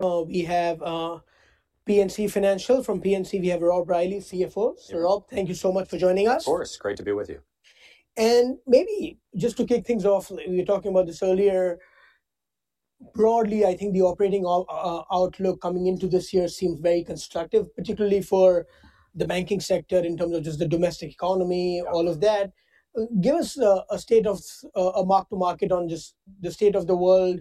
We have PNC Financial. From PNC, we have Rob Reilly, CFO. So Rob, thank you so much for joining us. Of course, great to be with you. Maybe just to kick things off, we were talking about this earlier. Broadly, I think the operating outlook coming into this year seems very constructive, particularly for the banking sector in terms of just the domestic economy, all of that. Give us a state of market on just the state of the world,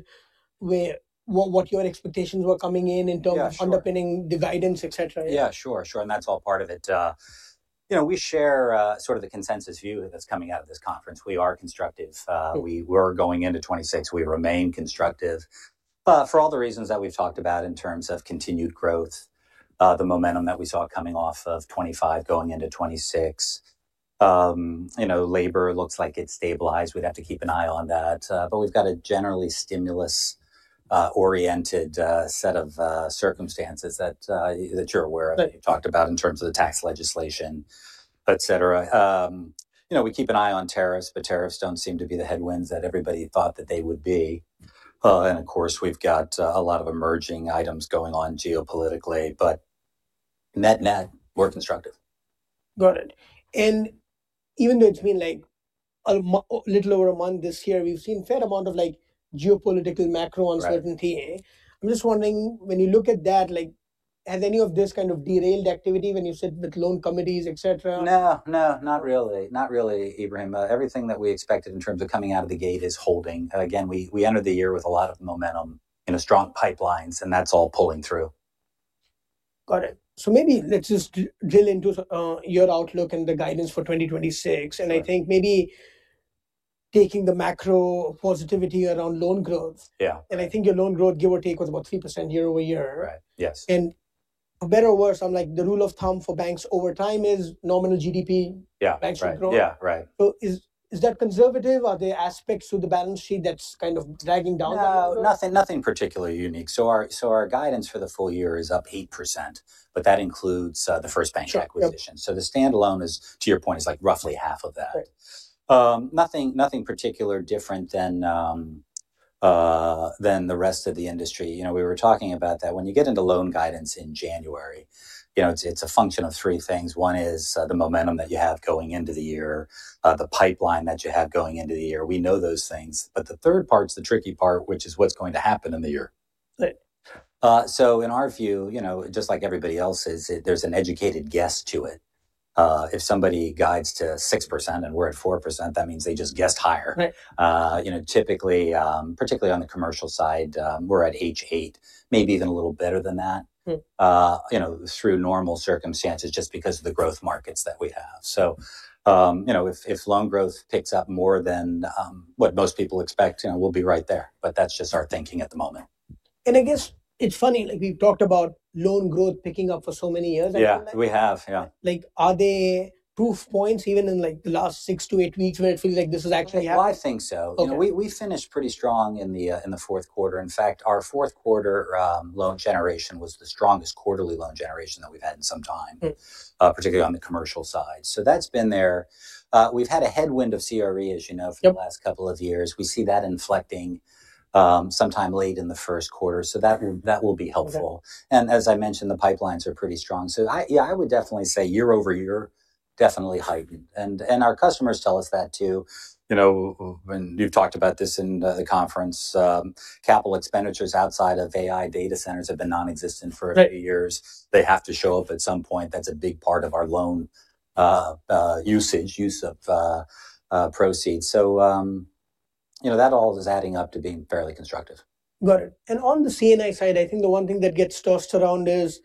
what your expectations were coming in in terms of underpinning the guidance, etc. Yeah, sure, sure. And that's all part of it. You know, we share sort of the consensus view that's coming out of this conference. We are constructive. We were going into 2026, we remain constructive. For all the reasons that we've talked about in terms of continued growth, the momentum that we saw coming off of 2025 going into 2026. You know, labor looks like it's stabilized. We'd have to keep an eye on that. But we've got a generally stimulus-oriented set of circumstances that you're aware of, that you've talked about in terms of the tax legislation, etc. You know, we keep an eye on tariffs, but tariffs don't seem to be the headwinds that everybody thought that they would be. And of course, we've got a lot of emerging items going on geopolitically, but net-net, we're constructive. Got it. And even though it's been like a little over a month this year, we've seen a fair amount of geopolitical macro uncertainty. I'm just wondering, when you look at that, has any of this kind of derailed activity when you sit with loan committees, etc.? No, no, not really. Not really, Ebrahim. Everything that we expected in terms of coming out of the gate is holding. Again, we entered the year with a lot of momentum in strong pipelines, and that's all pulling through. Got it. So maybe let's just drill into your outlook and the guidance for 2026. And I think maybe taking the macro positivity around loan growth. And I think your loan growth, give or take, was about 3% year-over-year. And better or worse, I'm like the rule of thumb for banks over time is nominal GDP bank loan growth. So is that conservative? Are there aspects to the balance sheet that's kind of dragging down? Nothing particularly unique. So our guidance for the full-year is up 8%. But that includes the FirstBank acquisition. So the standalone is, to your point, is like roughly half of that. Nothing particularly different than the rest of the industry. You know, we were talking about that when you get into loan guidance in January, you know, it's a function of three things. One is the momentum that you have going into the year, the pipeline that you have going into the year. We know those things. But the third part's the tricky part, which is what's going to happen in the year. So in our view, you know, just like everybody else's, there's an educated guess to it. If somebody guides to 6% and we're at 4%, that means they just guessed higher. You know, typically, particularly on the commercial side, we're at H.8, maybe even a little better than that. You know, through normal circumstances, just because of the growth markets that we have. So you know, if loan growth picks up more than what most people expect, you know, we'll be right there. But that's just our thinking at the moment. I guess it's funny, like we've talked about loan growth picking up for so many years. Yeah, we have, yeah. Like, are there proof points even in like the last 6-8 weeks where it feels like this is actually happening? Yeah, I think so. We finished pretty strong in the fourth quarter. In fact, our fourth quarter loan generation was the strongest quarterly loan generation that we've had in some time, particularly on the commercial side. So that's been there. We've had a headwind of CRE, as you know, for the last couple of years. We see that inflecting sometime late in the first quarter. So that will be helpful. And as I mentioned, the pipelines are pretty strong. So yeah, I would definitely say year-over-year, definitely heightened. And our customers tell us that too. You know, and you've talked about this in the conference, capital expenditures outside of AI data centers have been nonexistent for a few years. They have to show up at some point. That's a big part of our loan usage, use of proceeds. You know, that all is adding up to being fairly constructive. Got it. On the C&I side, I think the one thing that gets tossed around is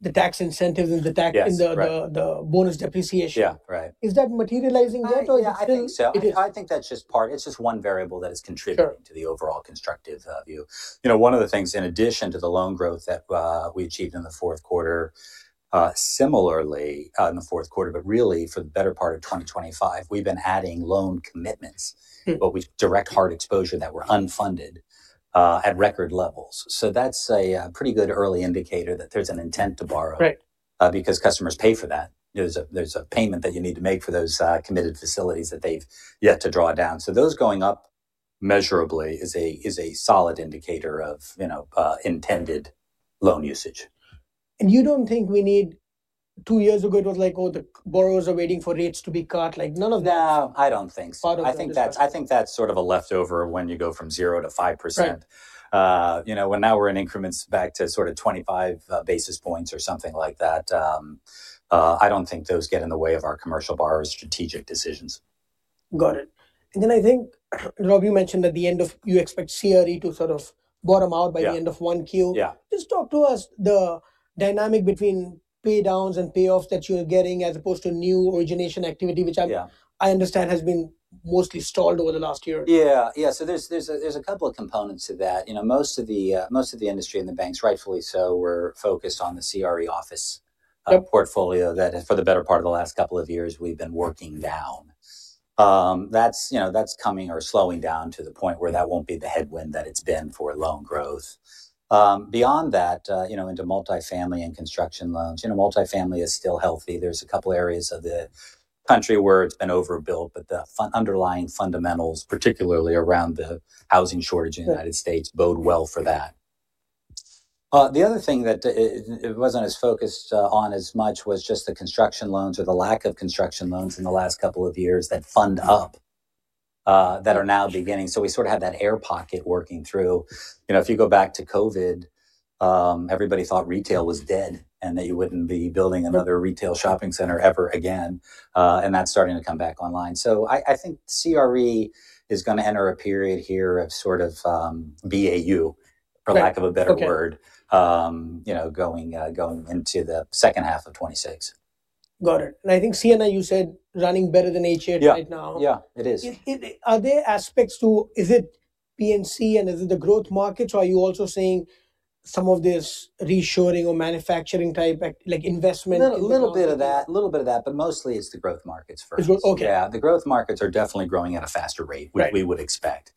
the tax incentives and the bonus depreciation. Is that materializing yet? Yeah, I think so. I think that's just part; it's just one variable that is contributing to the overall constructive view. You know, one of the things, in addition to the loan growth that we achieved in the fourth quarter, similarly in the fourth quarter, but really for the better part of 2025, we've been adding loan commitments, what we direct hard exposures that were unfunded at record levels. So that's a pretty good early indicator that there's an intent to borrow. Because customers pay for that. There's a payment that you need to make for those committed facilities that they've yet to draw down. So those going up measurably is a solid indicator of intended loan usage. And you don't think we need 2 years ago? It was like, oh, the borrowers are waiting for rates to be cut. Like, none of that? No, I don't think so. I think that's sort of a leftover when you go from 0% to 5%. You know, when now we're in increments back to sort of 25 basis points or something like that, I don't think those get in the way of our commercial borrower's strategic decisions. Got it. Then I think, Rob, you mentioned at the end of you expect CRE to sort of bottom out by the end of 1Q. Just talk to us the dynamic between paydowns and payoffs that you're getting as opposed to new origination activity, which I understand has been mostly stalled over the last year. Yeah, yeah. So there's a couple of components to that. You know, most of the industry and the banks, rightfully so, were focused on the CRE office portfolio that for the better part of the last couple of years, we've been working down. That's, you know, that's coming or slowing down to the point where that won't be the headwind that it's been for loan growth. Beyond that, you know, into multifamily and construction loans, you know, multifamily is still healthy. There's a couple areas of the country where it's been overbuilt, but the underlying fundamentals, particularly around the housing shortage in the United States, bode well for that. The other thing that it wasn't as focused on as much was just the construction loans or the lack of construction loans in the last couple of years that fund up, that are now beginning. So we sort of have that air pocket working through. You know, if you go back to COVID, everybody thought retail was dead, and that you wouldn't be building another retail shopping center ever again. And that's starting to come back online. So I think CRE is going to enter a period here of sort of BAU, for lack of a better word, you know, going into the second half of 2026. Got it. I think C&I, you said, running better than H.8 right now. Yeah, it is. Are there aspects to is it PNC and is it the growth markets, or are you also saying some of this reassuring or manufacturing type, like investment? A little bit of that, a little bit of that, but mostly it's the growth markets first. Yeah, the growth markets are definitely growing at a faster rate than we would expect.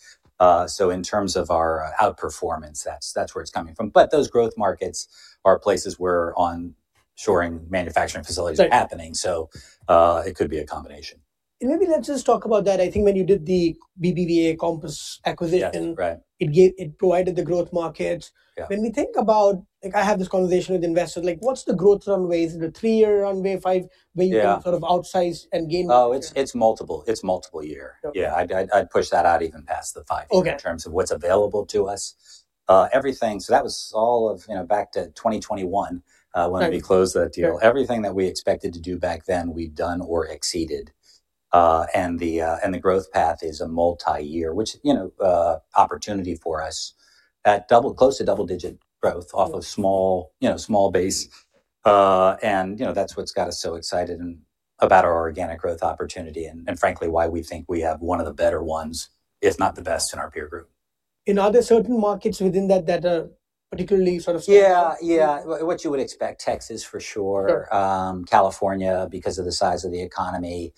So in terms of our outperformance, that's where it's coming from. But those growth markets are places where onshoring manufacturing facilities are happening. So it could be a combination. Maybe let's just talk about that. I think when you did the BBVA Compass acquisition, it provided the growth markets. When we think about, like I have this conversation with investors, like what's the growth runways in the 3-year runway, 5, where you can sort of outsize and gain? Oh, it's multiple. It's multi-year. Yeah, I'd push that out even past the 5 years in terms of what's available to us. Everything, so that was all of, you know, back to 2021, when we closed that deal. Everything that we expected to do back then, we've done or exceeded. And the growth path is a multi-year, which, you know, opportunity for us at double, close to double-digit growth off of small, you know, small base. And you know, that's what's got us so excited about our organic growth opportunity, and frankly, why we think we have one of the better ones, if not the best in our peer group. Are there certain markets within that that are particularly sort of? Yeah, yeah. What you would expect, Texas for sure. California, because of the size of the economy.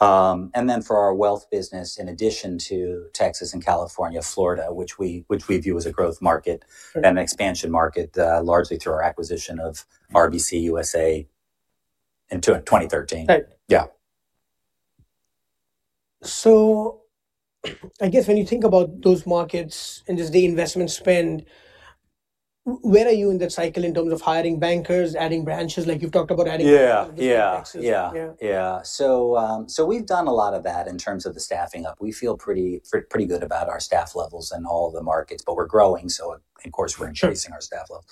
And then for our wealth business, in addition to Texas and California, Florida, which we view as a growth market and an expansion market, largely through our acquisition of RBC USA in 2012. Yeah. I guess when you think about those markets and just the investment spend, where are you in that cycle in terms of hiring bankers, adding branches, like you've talked about adding? Yeah, yeah, yeah. So we've done a lot of that in terms of the staffing up. We feel pretty good about our staff levels and all of the markets, but we're growing. So of course, we're increasing our staff levels.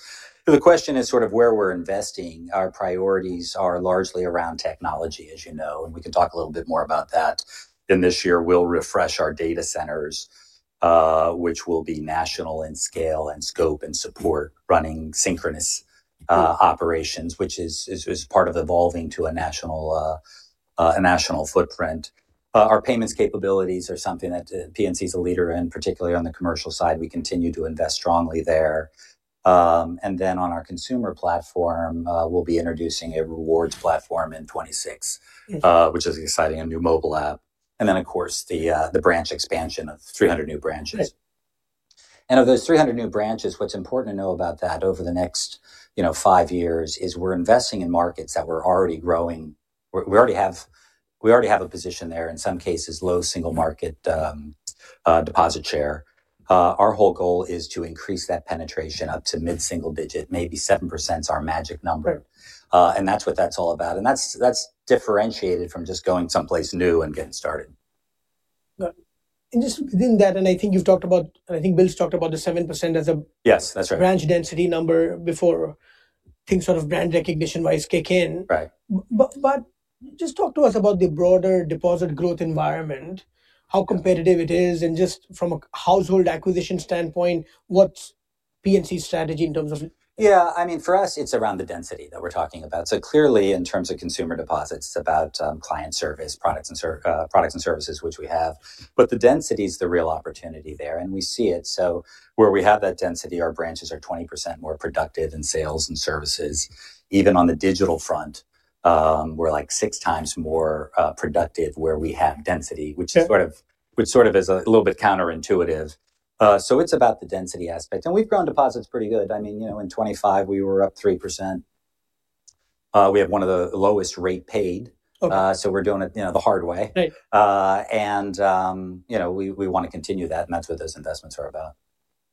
The question is sort of where we're investing. Our priorities are largely around technology, as you know. And we can talk a little bit more about that. In this year, we'll refresh our data centers, which will be national in scale and scope and support running synchronous operations, which is part of evolving to a national footprint. Our payments capabilities are something that PNC is a leader in, particularly on the commercial side. We continue to invest strongly there. And then on our consumer platform, we'll be introducing a rewards platform in 2026, which is exciting, a new mobile app. Then of course, the branch expansion of 300 new branches. Of those 300 new branches, what's important to know about that over the next, you know, 5 years is we're investing in markets that we're already growing. We already have a position there, in some cases, low single market deposit share. Our whole goal is to increase that penetration up to mid-single digit, maybe 7% is our magic number. That's what that's all about. That's differentiated from just going someplace new and getting started. Just within that, and I think you've talked about, I think Bill's talked about the 7% as a branch density number before things sort of brand recognition-wise kick in. Just talk to us about the broader deposit growth environment, how competitive it is, and just from a household acquisition standpoint, what's PNC's strategy in terms of? Yeah, I mean, for us, it's around the density that we're talking about. So clearly, in terms of consumer deposits, it's about client service, products and services, which we have. But the density is the real opportunity there. And we see it. So where we have that density, our branches are 20% more productive in sales and services. Even on the digital front, we're like six times more productive where we have density, which sort of is a little bit counterintuitive. So it's about the density aspect. And we've grown deposits pretty good. I mean, you know, in 2025, we were up 3%. We have one of the lowest rates paid. So we're doing it, you know, the hard way. And you know, we want to continue that. And that's what those investments are about.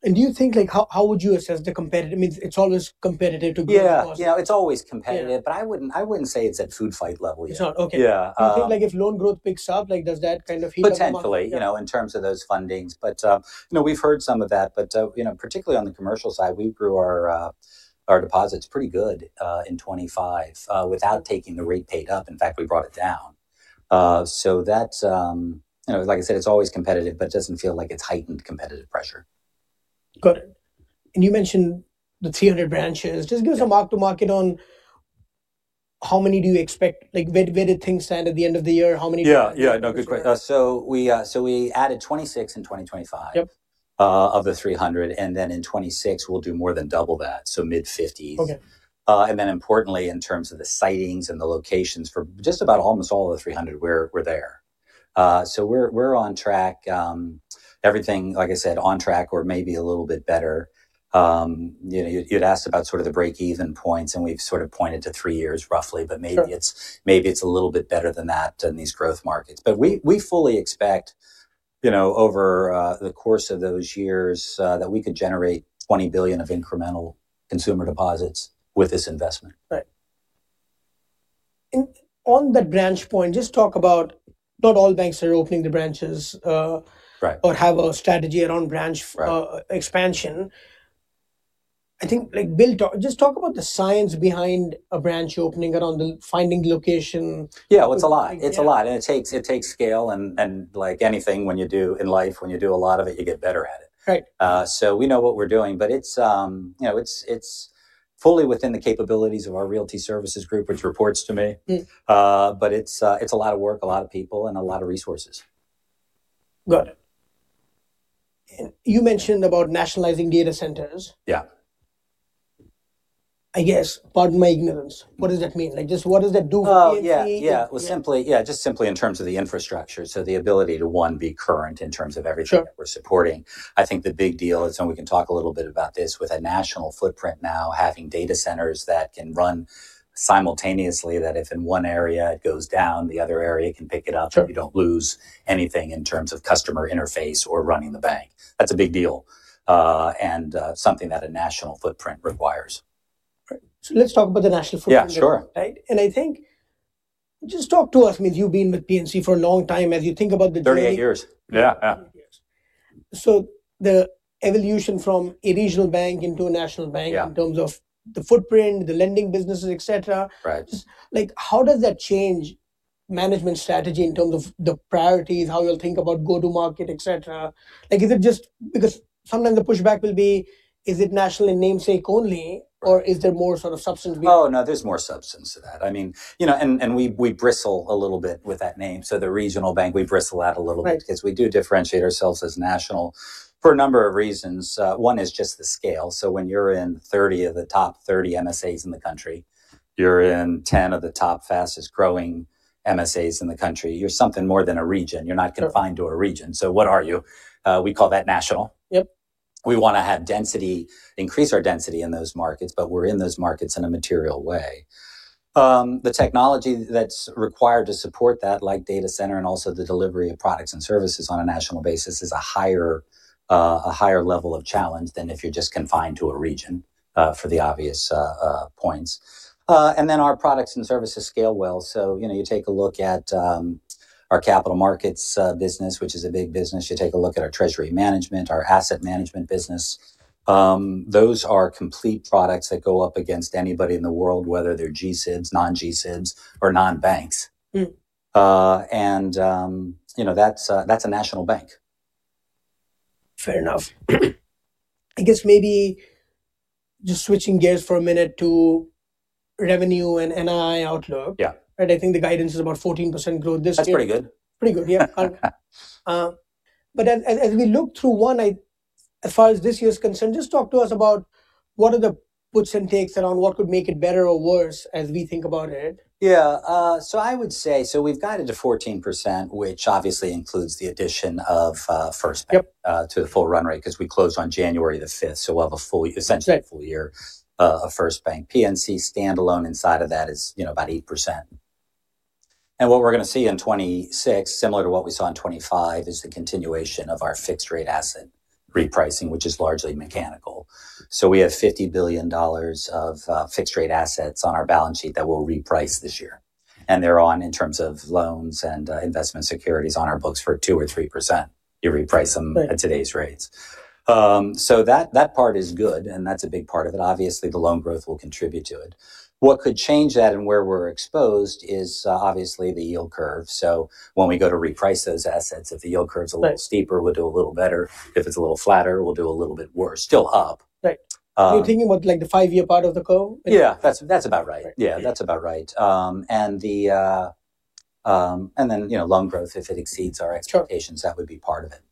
Do you think, like, how would you assess the competitive? I mean, it's always competitive to grow deposits. Yeah, yeah, it's always competitive. I wouldn't say it's at food fight level yet. It's not? Okay. Do you think, like, if loan growth picks up, like, does that kind of heat up? Potentially, you know, in terms of those fundings. But you know, we've heard some of that. But you know, particularly on the commercial side, we grew our deposits pretty good in 2025, without taking the rate paid up. In fact, we brought it down. So that, you know, like I said, it's always competitive, but it doesn't feel like it's heightened competitive pressure. Got it. And you mentioned the 300 branches. Just give us a mark-to-market on how many do you expect, like, where did things stand at the end of the year? How many? Yeah, yeah, no, good question. So we added 26 in 2025 of the 300. And then in 2026, we'll do more than double that, so mid-50s. And then importantly, in terms of the sitings and the locations for just about almost all of the 300, we're there. So we're on track. Everything, like I said, on track or maybe a little bit better. You know, you'd asked about sort of the break-even points. And we've sort of pointed to 3 years, roughly. But maybe it's a little bit better than that in these growth markets. But we fully expect, you know, over the course of those years, that we could generate $20 billion of incremental consumer deposits with this investment. Right. And on that branch point, just talk about not all banks are opening the branches or have a strategy around branch expansion. I think, like, Bill, just talk about the science behind a branch opening around finding the location. Yeah, well, it's a lot. It's a lot. And it takes scale. And like anything when you do in life, when you do a lot of it, you get better at it. So we know what we're doing. But it's, you know, it's fully within the capabilities of our Realty Services Group, which reports to me. But it's a lot of work, a lot of people, and a lot of resources. Got it. And you mentioned about nationalizing data centers. Yeah, I guess, pardon my ignorance, what does that mean? Like, just what does that do for PNC? Yeah, yeah, well, simply, yeah, just simply in terms of the infrastructure. So the ability to, one, be current in terms of everything that we're supporting. I think the big deal is, and we can talk a little bit about this with a national footprint now, having data centers that can run simultaneously, that if in one area it goes down, the other area can pick it up, so you don't lose anything in terms of customer interface or running the bank. That's a big deal. And something that a national footprint requires. Right. So let's talk about the national footprint. Yeah, sure. Right? And I think, just talk to us, I mean, you've been with PNC for a long time. As you think about the journey. 38 years. Yeah, yeah. So the evolution from a regional bank into a national bank in terms of the footprint, the lending businesses, etc. Like, how does that change management strategy in terms of the priorities, how you'll think about go-to-market, etc.? Like, is it just because sometimes the pushback will be, is it national in namesake only? Or is there more sort of substance behind it? Oh, no, there's more substance to that. I mean, you know, and we bristle a little bit with that name. So the regional bank, we bristle that a little bit, because we do differentiate ourselves as national for a number of reasons. One is just the scale. So when you're in 30 of the top 30 MSAs in the country, you're in 10 of the top fastest growing MSAs in the country. You're something more than a region. You're not confined to a region. So what are you? We call that national. We want to have density, increase our density in those markets, but we're in those markets in a material way. The technology that's required to support that, like data center and also the delivery of products and services on a national basis, is a higher level of challenge than if you're just confined to a region, for the obvious points. And then our products and services scale well. So, you know, you take a look at our capital markets business, which is a big business. You take a look at our treasury management, our asset management business. Those are complete products that go up against anybody in the world, whether they're G-SIBs, non-G-SIBs, or non-banks. And, you know, that's a national bank. Fair enough. I guess maybe just switching gears for a minute to revenue and NII outlook. Yeah, right? I think the guidance is about 14% growth this year. That's pretty good. Pretty good, yeah. But as we look through one, as far as this year's concern, just talk to us about what are the puts and takes around what could make it better or worse as we think about it? Yeah. So I would say, so we've got it to 14%, which obviously includes the addition of FirstBank to the full run rate, because we closed on January 5. So we'll have a full, essentially a full-year of FirstBank. PNC standalone inside of that is, you know, about 8%. And what we're going to see in 2026, similar to what we saw in 2025, is the continuation of our fixed-rate asset repricing, which is largely mechanical. So we have $50 billion of fixed-rate assets on our balance sheet that will reprice this year. And they're on in terms of loans and investment securities on our books for 2% or 3%. You reprice them at today's rates. So that part is good. And that's a big part of it. Obviously, the loan growth will contribute to it. What could change that and where we're exposed is obviously the yield curve. So when we go to reprice those assets, if the yield curve is a little steeper, we'll do a little better. If it's a little flatter, we'll do a little bit worse. Still up. Right. You're thinking about like the five-year part of the curve? Yeah, that's about right. Yeah, that's about right. And then, you know, loan growth, if it exceeds our expectations, that would be part of it.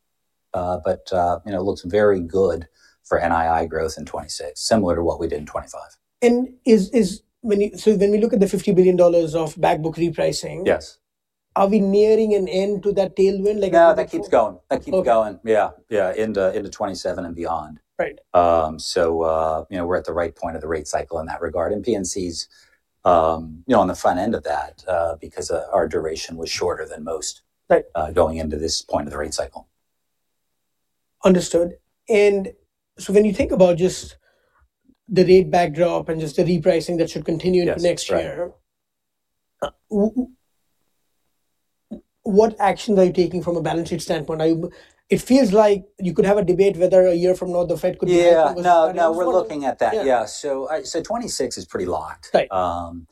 But, you know, it looks very good for NII growth in 2026, similar to what we did in 2025. So then we look at the $50 billion of backbook repricing. Are we nearing an end to that tailwind? No, that keeps going. That keeps going. Yeah, yeah, into 2027 and beyond. So, you know, we're at the right point of the rate cycle in that regard. And PNC's, you know, on the front end of that, because our duration was shorter than most going into this point of the rate cycle. Understood. So when you think about just the rate backdrop and just the repricing that should continue into next year, what actions are you taking from a balance sheet standpoint? It feels like you could have a debate whether a year from now, the Fed could be? Yeah, no, no, we're looking at that. Yeah, so 2026 is pretty locked. Similar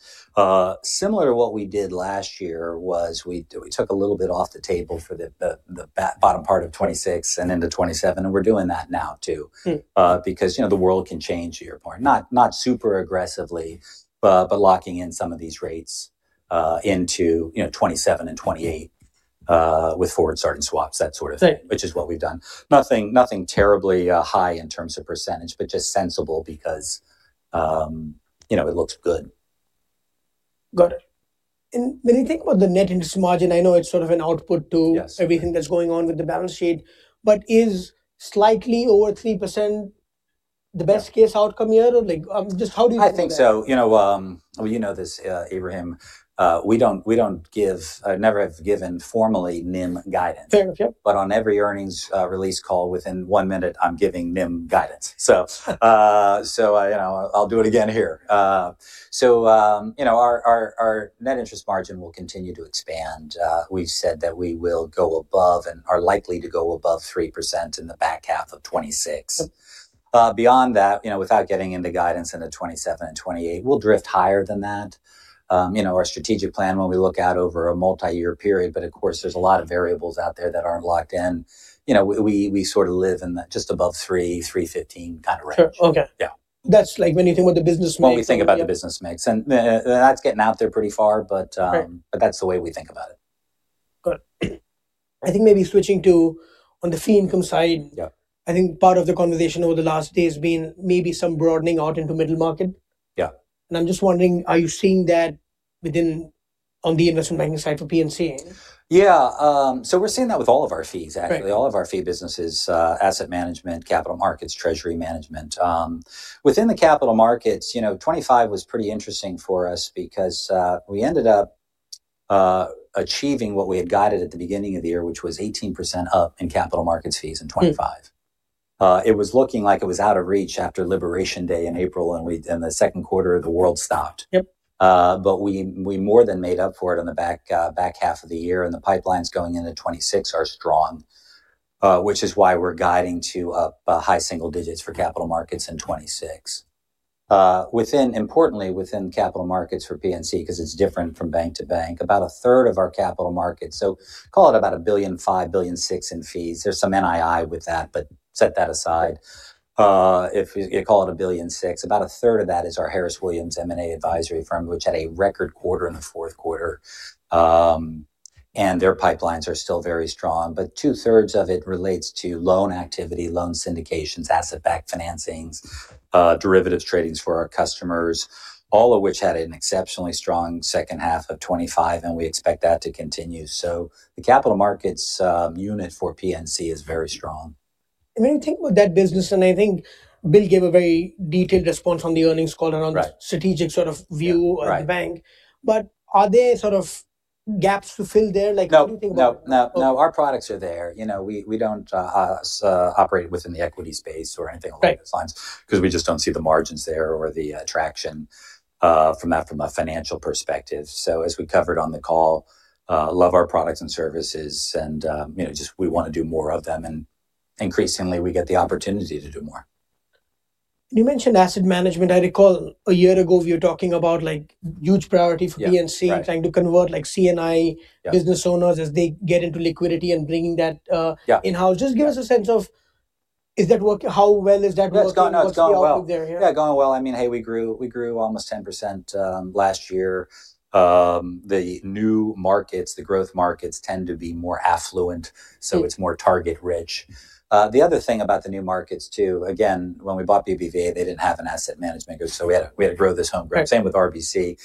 to what we did last year was we took a little bit off the table for the bottom part of 2026 and into 2027. And we're doing that now too. Because, you know, the world can change to your point. Not super aggressively, but locking in some of these rates into, you know, 2027 and 2028 with forward start and swaps, that sort of thing, which is what we've done. Nothing terribly high in terms of percentage, but just sensible because, you know, it looks good. Got it. And when you think about the net interest margin, I know it's sort of an output to everything that's going on with the balance sheet. But is slightly over 3% the best-case outcome here? Or like, just how do you think that? I think so. You know, well, you know this, Abraham, we don't give, I never have given formally NIM guidance. But on every earnings release call within one minute, I'm giving NIM guidance. So, you know, I'll do it again here. So, you know, our net interest margin will continue to expand. We've said that we will go above and are likely to go above 3% in the back half of 2026. Beyond that, you know, without getting into guidance into 2027 and 2028, we'll drift higher than that. You know, our strategic plan when we look out over a multi-year period, but of course, there's a lot of variables out there that aren't locked in. You know, we sort of live in just above 3%, 3.15% kind of range. Okay. That's like when you think about the business makes. When we think about the business mix. And that's getting out there pretty far. But that's the way we think about it. Got it. I think maybe switching to on the fee income side, I think part of the conversation over the last day has been maybe some broadening out into middle market. Yeah, and I'm just wondering, are you seeing that within on the investment banking side for PNC? Yeah. So we're seeing that with all of our fees, actually. All of our fee businesses, asset management, capital markets, treasury management. Within the capital markets, you know, 2025 was pretty interesting for us because we ended up achieving what we had guided at the beginning of the year, which was 18% up in capital markets fees in 2025. It was looking like it was out of reach after Liberation Day in April, and the second quarter of the world stopped. But we more than made up for it in the back half of the year. And the pipelines going into 2026 are strong, which is why we're guiding to up high single digits for capital markets in 2026. Importantly, within capital markets for PNC, because it's different from bank to bank, about a third of our capital markets, so call it about $1.05 billion, $1.06 billion in fees. There's some NII with that, but set that aside. If you call it $1.06 billion, about a third of that is our Harris Williams M&A advisory firm, which had a record quarter in the fourth quarter. And their pipelines are still very strong. But two-thirds of it relates to loan activity, loan syndications, asset-backed financings, derivatives tradings for our customers, all of which had an exceptionally strong second half of 2025. And we expect that to continue. So the capital markets unit for PNC is very strong. And when you think about that business, and I think Bill gave a very detailed response on the earnings call around strategic sort of view of the bank. But are there sort of gaps to fill there? Like, what do you think about that? No, no, no, our products are there. You know, we don't operate within the equity space or anything along those lines, because we just don't see the margins there or the traction from that from a financial perspective. So as we covered on the call, love our products and services. And, you know, just we want to do more of them. And increasingly, we get the opportunity to do more. You mentioned asset management. I recall a year ago, we were talking about like huge priority for PNC, trying to convert like C&I business owners as they get into liquidity and bringing that in-house. Just give us a sense of, is that working? How well is that working? That's going well. Yeah, going well. I mean, hey, we grew almost 10% last year. The new markets, the growth markets tend to be more affluent. So it's more target-rich. The other thing about the new markets too, again, when we bought BBVA, they didn't have an asset management group. So we had to grow this homegrown. Same with RBC.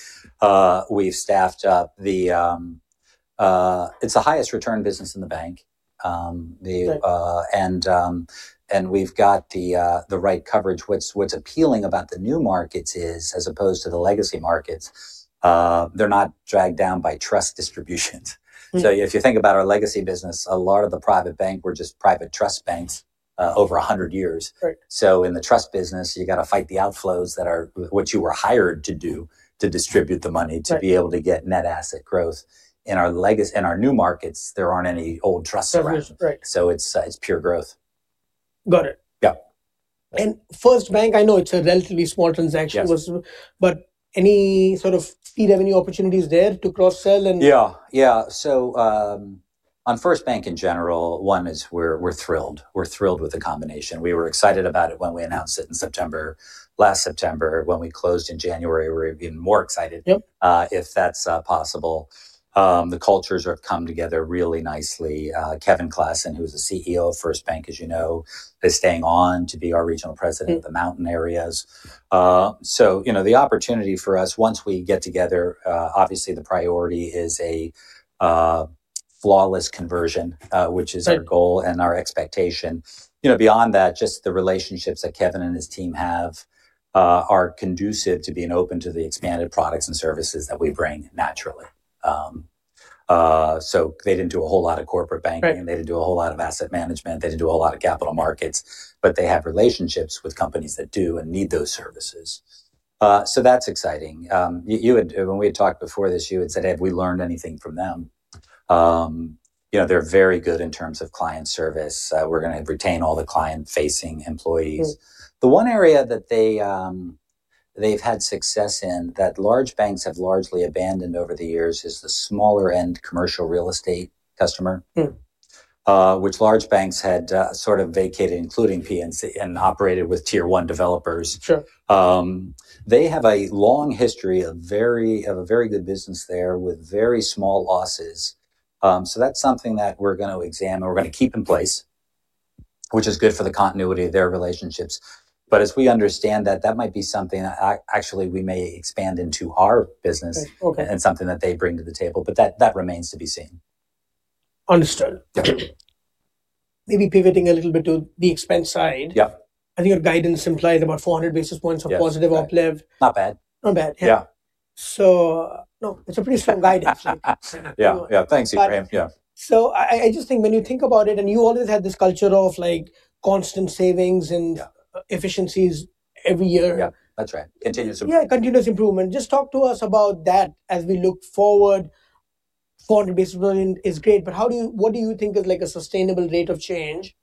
We've staffed up the, it's the highest return business in the bank. And we've got the right coverage. What's appealing about the new markets is, as opposed to the legacy markets, they're not dragged down by trust distributions. So if you think about our legacy business, a lot of the private bank were just private trust banks over 100 years. So in the trust business, you got to fight the outflows that are what you were hired to do, to distribute the money, to be able to get net asset growth. In our new markets, there aren't any old trust surroundings. So it's pure growth. Got it. Yeah. And FirstBank, I know it's a relatively small transaction. But any sort of fee revenue opportunities there to cross-sell? Yeah, yeah. So on FirstBank in general, one is we're thrilled. We're thrilled with the combination. We were excited about it when we announced it in September. Last September, when we closed in January, we were even more excited, if that's possible. The cultures have come together really nicely. Kevin Classen, who's the CEO of FirstBank, as you know, is staying on to be our regional president of the mountain areas. So, you know, the opportunity for us, once we get together, obviously the priority is a flawless conversion, which is our goal and our expectation. You know, beyond that, just the relationships that Kevin and his team have are conducive to being open to the expanded products and services that we bring naturally. So they didn't do a whole lot of corporate banking. They didn't do a whole lot of asset management. They didn't do a whole lot of capital markets. But they have relationships with companies that do and need those services. So that's exciting. When we had talked before this, you had said, "Have we learned anything from them?" You know, they're very good in terms of client service. We're going to retain all the client-facing employees. The one area that they've had success in, that large banks have largely abandoned over the years, is the smaller-end commercial real estate customer, which large banks had sort of vacated, including PNC, and operated with tier one developers. They have a long history of a very good business there with very small losses. So that's something that we're going to examine. We're going to keep in place, which is good for the continuity of their relationships. As we understand that, that might be something that actually we may expand into our business and something that they bring to the table. That remains to be seen. Understood. Maybe pivoting a little bit to the expense side. I think your guidance implies about 400 basis points of positive op lev? Not bad. Not bad, yeah. So, no, it's a pretty strong guidance. Yeah, yeah, thanks, Abraham. Yeah. I just think when you think about it, and you always had this culture of like constant savings and efficiencies every year. Yeah, that's right. Continuous improvement. Yeah, continuous improvement. Just talk to us about that as we look forward. 400 basis points is great. But what do you think is like a sustainable rate of change?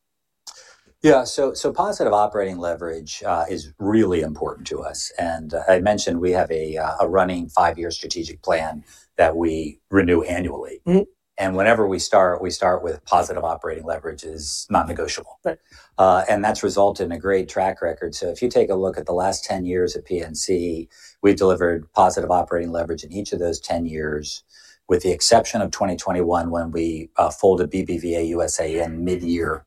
Yeah, so positive operating leverage is really important to us. And I mentioned we have a running five-year strategic plan that we renew annually. And whenever we start, we start with positive operating leverage is non-negotiable. And that's resulted in a great track record. So if you take a look at the last 10 years at PNC, we've delivered positive operating leverage in each of those 10 years, with the exception of 2021 when we folded BBVA USA in mid-year.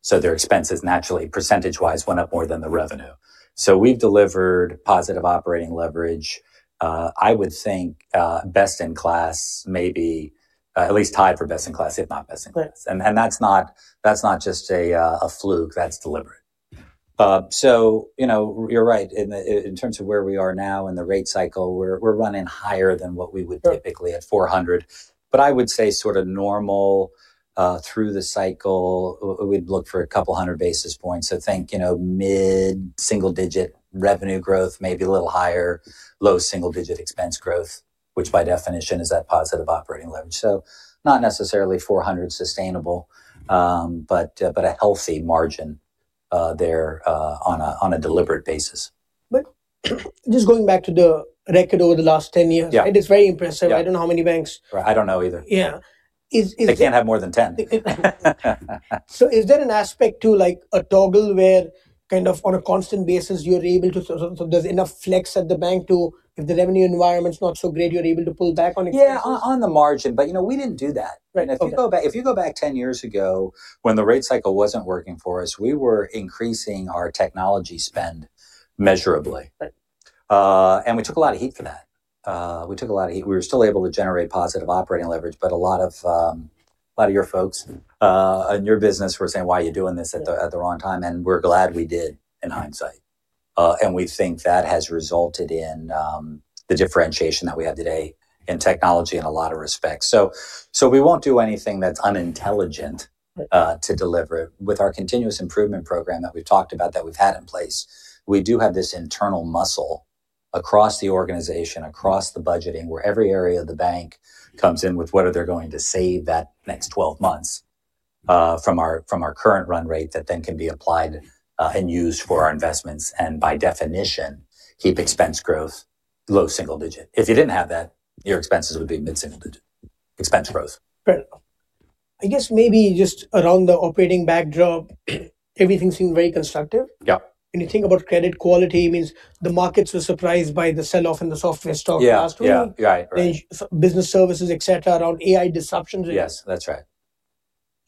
So their expenses naturally, percentage-wise, went up more than the revenue. So we've delivered positive operating leverage, I would think, best in class, maybe at least tied for best in class, if not best in class. And that's not just a fluke. That's deliberate. So, you know, you're right. In terms of where we are now in the rate cycle, we're running higher than what we would typically at 400. But I would say sort of normal through the cycle, we'd look for 200 basis points. So think, you know, mid-single-digit revenue growth, maybe a little higher, low-single-digit expense growth, which by definition is that positive operating leverage. So not necessarily 400 sustainable, but a healthy margin there on a deliberate basis. But just going back to the record over the last 10 years, it's very impressive. I don't know how many banks. Right, I don't know either. Yeah. They can't have more than 10. So is there an aspect too, like a toggle where kind of on a constant basis, you're able to, so there's enough flex at the bank to, if the revenue environment's not so great, you're able to pull back on expenses? Yeah, on the margin. But you know, we didn't do that. And if you go back 10 years ago, when the rate cycle wasn't working for us, we were increasing our technology spend measurably. And we took a lot of heat for that. We took a lot of heat. We were still able to generate positive operating leverage. But a lot of your folks in your business were saying, why are you doing this at the wrong time? And we're glad we did in hindsight. And we think that has resulted in the differentiation that we have today in technology in a lot of respects. So we won't do anything that's unintelligent to deliver it. With our continuous improvement program that we've talked about, that we've had in place, we do have this internal muscle across the organization, across the budgeting, where every area of the bank comes in with what they're going to save that next 12 months from our current run rate that then can be applied and used for our investments. And by definition, keep expense growth low single digit. If you didn't have that, your expenses would be mid single digit expense growth. Right. I guess maybe just around the operating backdrop, everything seemed very constructive. When you think about credit quality, it means the markets were surprised by the selloff in the software stock last week. Yeah, right. Business services, et cetera, around AI disruptions. Yes, that's right.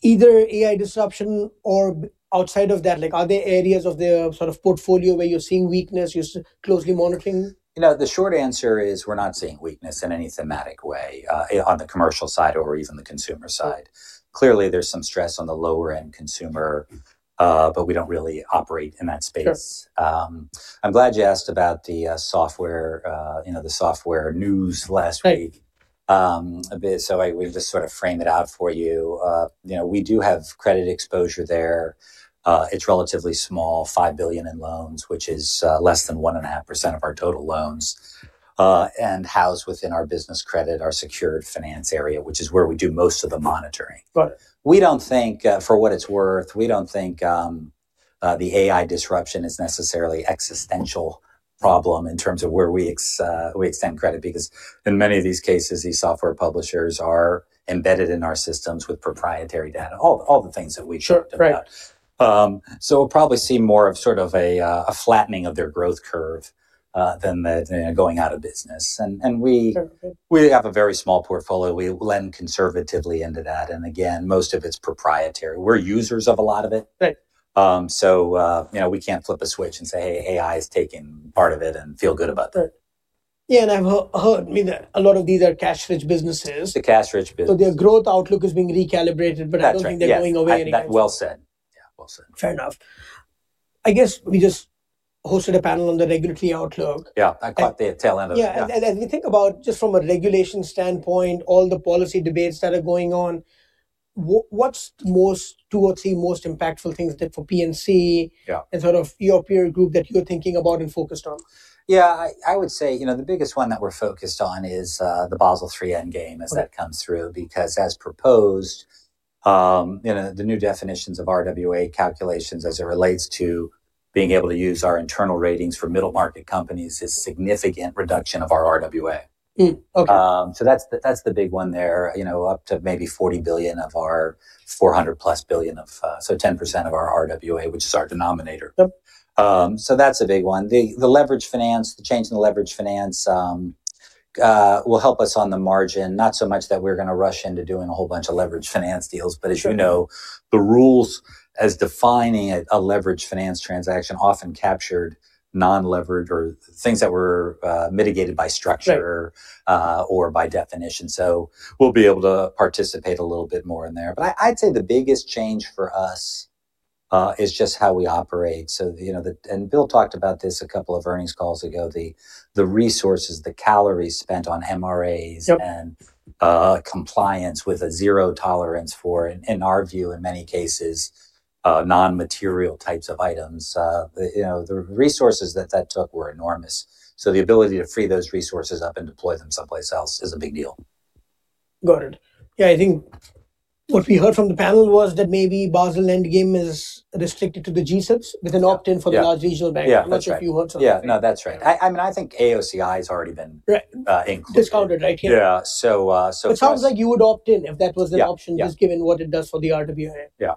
Either AI disruption or outside of that, like, are there areas of their sort of portfolio where you're seeing weakness? You're closely monitoring? You know, the short answer is we're not seeing weakness in any thematic way on the commercial side or even the consumer side. Clearly, there's some stress on the lower-end consumer. But we don't really operate in that space. I'm glad you asked about the software, you know, the software news last week. So we've just sort of framed it out for you. You know, we do have credit exposure there. It's relatively small, $5 billion in loans, which is less than 1.5% of our total loans, and housed within our Business Credit, our secured finance area, which is where we do most of the monitoring. We don't think, for what it's worth, we don't think the AI disruption is necessarily an existential problem in terms of where we extend credit. Because in many of these cases, these software publishers are embedded in our systems with proprietary data, all the things that we should have done. So we'll probably see more of sort of a flattening of their growth curve than going out of business. And we have a very small portfolio. We lend conservatively into that. And again, most of it's proprietary. We're users of a lot of it. So, you know, we can't flip a switch and say, hey, AI is taking part of it and feel good about that. Yeah, and I've heard, I mean, a lot of these are cash-rich businesses. The cash-rich business. Their growth outlook is being recalibrated. I don't think they're going away anyway. That's well said. Yeah, well said. Fair enough. I guess we just hosted a panel on the regulatory outlook. Yeah, I caught the tail end of it. Yeah, as we think about just from a regulation standpoint, all the policy debates that are going on, what's the two or three most impactful things that for PNC and sort of your peer group that you're thinking about and focused on? Yeah, I would say, you know, the biggest one that we're focused on is the Basel III Endgame as that comes through. Because as proposed, you know, the new definitions of RWA calculations as it relates to being able to use our internal ratings for middle-market companies is a significant reduction of our RWA. So that's the big one there, you know, up to maybe $40 billion of our $400+ billion of, so 10% of our RWA, which is our denominator. So that's a big one. The leverage finance, the change in the leverage finance will help us on the margin, not so much that we're going to rush into doing a whole bunch of leverage finance deals. But as you know, the rules as defining a leverage finance transaction often captured non-leveraged or things that were mitigated by structure or by definition. So we'll be able to participate a little bit more in there. But I'd say the biggest change for us is just how we operate. So, you know, and Bill talked about this a couple of earnings calls ago, the resources, the calories spent on MRAs and compliance with a zero tolerance for, in our view, in many cases, non-material types of items. You know, the resources that that took were enormous. So the ability to free those resources up and deploy them someplace else is a big deal. Got it. Yeah, I think what we heard from the panel was that maybe Basel Endgame is restricted to the G-SIBs with an opt-in for the large regional banks. I'm not sure if you heard something? Yeah, no, that's right. I mean, I think AOCI has already been included. Right, discounted, right? Yeah. Yeah, so it sounds like. But it sounds like you would opt in if that was an option, just given what it does for the RWA. Yeah,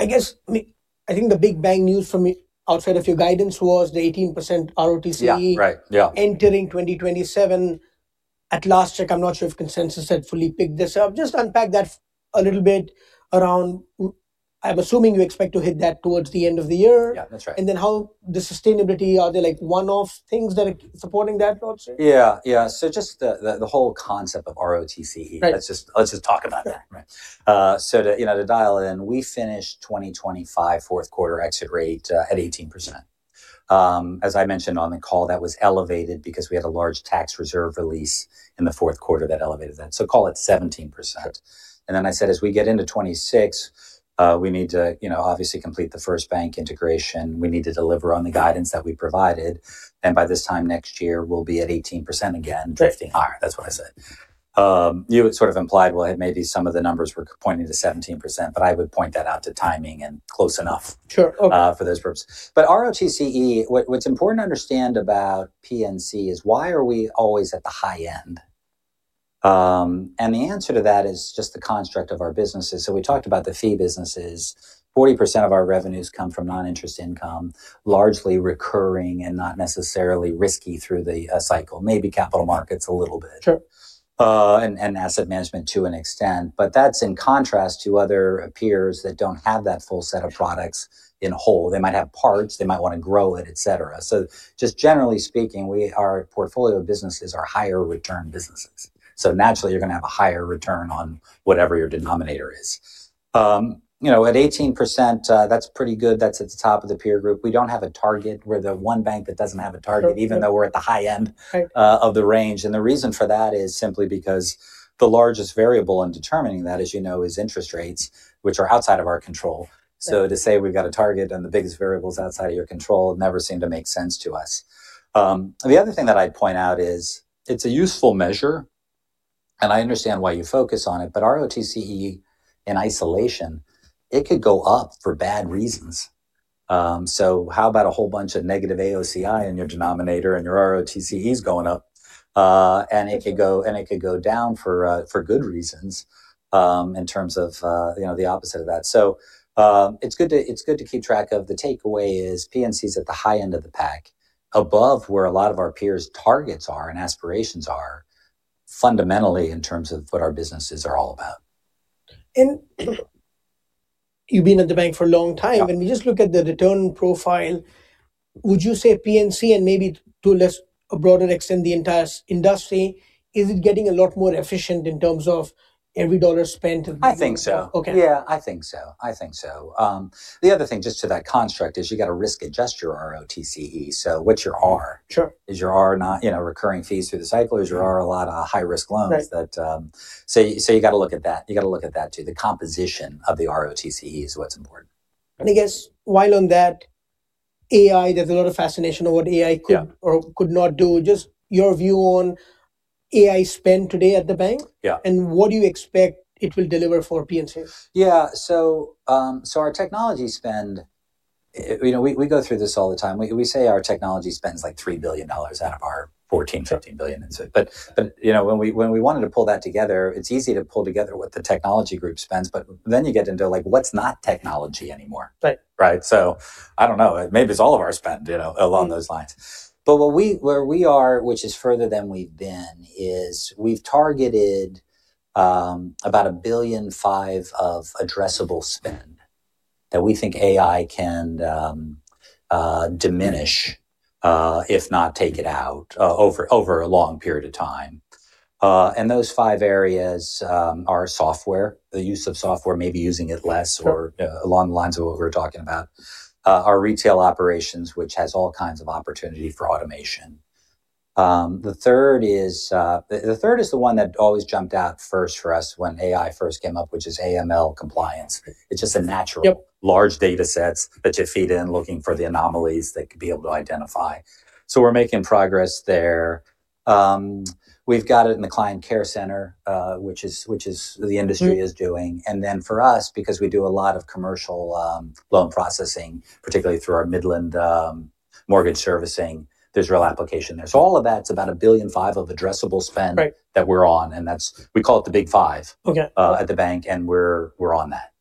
yeah. I guess I think the big bang news from outside of your guidance was the 18% ROTCE entering 2027. At last check, I'm not sure if consensus had fully picked this up. Just unpack that a little bit around. I'm assuming you expect to hit that towards the end of the year. Yeah, that's right. And then, how the sustainability, are there like one-off things that are supporting that, Rob? Yeah, yeah. So just the whole concept of ROTCE, let's just talk about that. So to dial in, we finished 2025 fourth quarter exit rate at 18%. As I mentioned on the call, that was elevated because we had a large tax reserve release in the fourth quarter that elevated that. So call it 17%. And then I said, as we get into 2026, we need to, you know, obviously complete the FirstBank integration. We need to deliver on the guidance that we provided. And by this time next year, we'll be at 18% again, drifting higher. That's what I said. You had sort of implied, well, maybe some of the numbers were pointing to 17%. But I would point that out to timing and close enough for those purposes. But ROTCE, what's important to understand about PNC is why are we always at the high end? The answer to that is just the construct of our businesses. So we talked about the fee businesses. 40% of our revenues come from non-interest income, largely recurring and not necessarily risky through the cycle, maybe capital markets a little bit, and asset management to an extent. But that's in contrast to other peers that don't have that full set of products in whole. They might have parts. They might want to grow it, et cetera. So just generally speaking, our portfolio of businesses are higher return businesses. So naturally, you're going to have a higher return on whatever your denominator is. You know, at 18%, that's pretty good. That's at the top of the peer group. We don't have a target. We're the one bank that doesn't have a target, even though we're at the high end of the range. And the reason for that is simply because the largest variable in determining that, as you know, is interest rates, which are outside of our control. So to say we've got a target and the biggest variable is outside of your control never seemed to make sense to us. The other thing that I'd point out is it's a useful measure. And I understand why you focus on it. But ROTCE in isolation, it could go up for bad reasons. So how about a whole bunch of negative AOCI in your denominator and your ROTCE is going up? And it could go down for good reasons in terms of, you know, the opposite of that. So it's good to keep track of. The takeaway is PNC is at the high end of the pack, above where a lot of our peers' targets are and aspirations are, fundamentally in terms of what our businesses are all about. You've been at the bank for a long time. We just look at the return profile. Would you say PNC, and maybe to a less broader extent, the entire industry, is it getting a lot more efficient in terms of every dollar spent? I think so. Yeah, I think so. I think so. The other thing, just to that construct, is you've got to risk adjust your ROTCE. So what's your R? Is your R not, you know, recurring fees through the cycle? Is your R a lot of high-risk loans? So you've got to look at that. You've got to look at that too. The composition of the ROTCE is what's important. I guess while on that, AI, there's a lot of fascination over what AI could or could not do, just your view on AI spend today at the bank. What do you expect it will deliver for PNC? Yeah, so our technology spend, you know, we go through this all the time. We say our technology spends like $3 billion out of our $14 billion-$15 billion. But you know, when we wanted to pull that together, it's easy to pull together what the technology group spends. But then you get into like what's not technology anymore, right? So I don't know. Maybe it's all of our spend, you know, along those lines. But where we are, which is further than we've been, is we've targeted about $1.5 billion of addressable spend that we think AI can diminish, if not take it out, over a long period of time. And those five areas are software, the use of software, maybe using it less, or along the lines of what we're talking about, our retail operations, which has all kinds of opportunity for automation. The third is the one that always jumped out first for us when AI first came up, which is AML compliance. It's just a natural. Large data sets that you feed in looking for the anomalies that could be able to identify. So we're making progress there. We've got it in the client care center, which is what the industry is doing. And then for us, because we do a lot of commercial loan processing, particularly through our Midland Mortgage Servicing, there's real application there. So all of that's about $1.5 billion of addressable spend that we're on. And we call it the Big Five at the bank. And we're on that.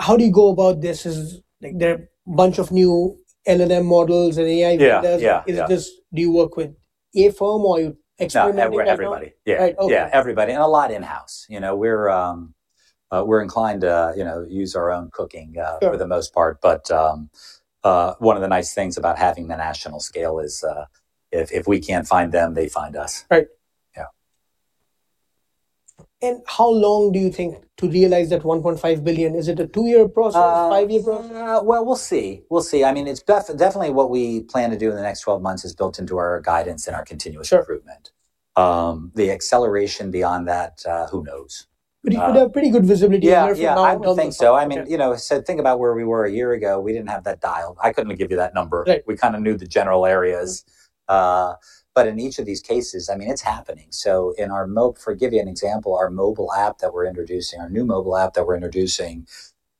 How do you go about this? Is there a bunch of new LLM models and AI vendors? Do you work with a firm? Or are you experimenting? No, we're everybody. Yeah, everybody, and a lot in-house. You know, we're inclined to, you know, use our own cooking for the most part. But one of the nice things about having the national scale is if we can't find them, they find us. Right. Yeah. How long do you think to realize that $1.5 billion? Is it a two-year process? Five-year process? Well, we'll see. We'll see. I mean, it's definitely what we plan to do in the next 12 months is built into our guidance and our continuous improvement. The acceleration beyond that, who knows? But you could have pretty good visibility in there from now. Yeah, I think so. I mean, you know, so think about where we were a year ago. We didn't have that dial. I couldn't give you that number. We kind of knew the general areas. But in each of these cases, I mean, it's happening. So in our mobile, for to give you an example, our mobile app that we're introducing, our new mobile app that we're introducing,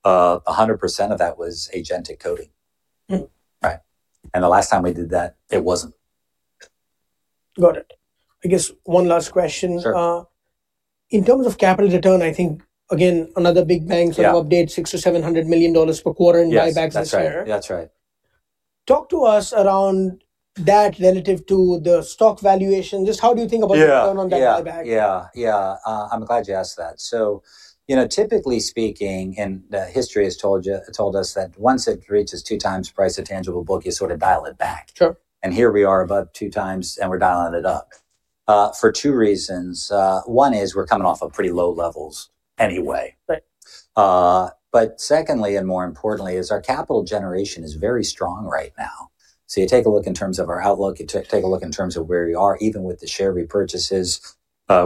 100% of that was agentic coding, right? And the last time we did that, it wasn't. Got it. I guess one last question. In terms of capital return, I think, again, another big bank sort of updates $600,000 to $700 million per quarter in buybacks this year. That's right. That's right. Talk to us around that relative to the stock valuation. Just how do you think about the return on that buyback? Yeah, yeah, yeah. I'm glad you asked that. So, you know, typically speaking, and history has told us that once it reaches 2x price of tangible book, you sort of dial it back. And here we are above 2x. And we're dialing it up for 2 reasons. One is we're coming off of pretty low levels anyway. But secondly, and more importantly, is our capital generation is very strong right now. So you take a look in terms of our outlook. You take a look in terms of where we are, even with the share repurchases,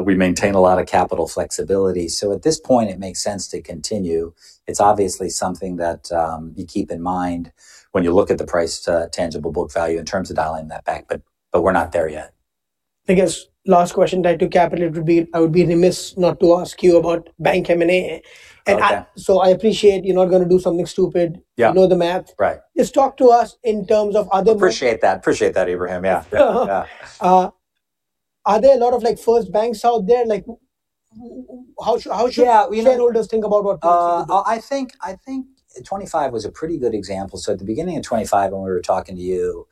we maintain a lot of capital flexibility. So at this point, it makes sense to continue. It's obviously something that you keep in mind when you look at the price of tangible book value in terms of dialing that back. But we're not there yet. I guess last question tied to capital, it would be I would be remiss not to ask you about bank M&A. And so I appreciate you're not going to do something stupid. You know the math. Just talk to us in terms of other moves. Appreciate that. Appreciate that, Abraham. Yeah, yeah. Are there a lot of like first banks out there? Like how should shareholders think about what? I think 2025 was a pretty good example. So at the beginning of 2025, when we were talking to you,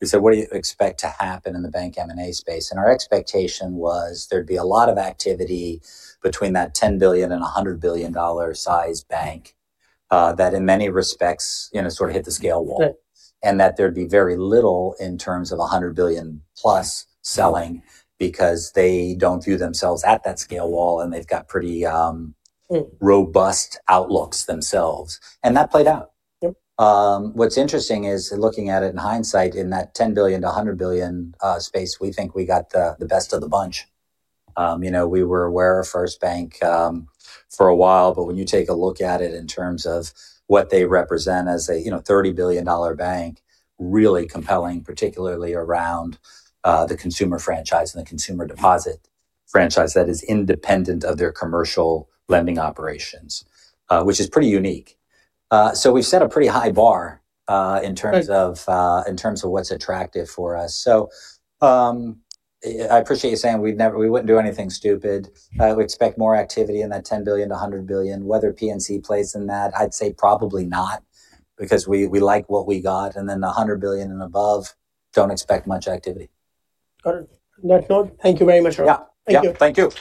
we said, what do you expect to happen in the bank M&A space? And our expectation was there'd be a lot of activity between that $10 billion and $100 billion size bank that in many respects, you know, sort of hit the scale wall. And that there'd be very little in terms of $100 billion+ selling because they don't view themselves at that scale wall. And they've got pretty robust outlooks themselves. And that played out. What's interesting is looking at it in hindsight, in that $10 billion-$100 billion space, we think we got the best of the bunch. You know, we were aware of FirstBank for a while. But when you take a look at it in terms of what they represent as a, you know, $30 billion bank, really compelling, particularly around the consumer franchise and the consumer deposit franchise that is independent of their commercial lending operations, which is pretty unique. So we've set a pretty high bar in terms of what's attractive for us. So I appreciate you saying we wouldn't do anything stupid. We expect more activity in that $10 billion-$100 billion. Whether PNC plays in that, I'd say probably not because we like what we got. And then $100 billion and above, don't expect much activity. Got it. Noted, noted. Thank you very much, Rob. Thank you. Yeah, thank you.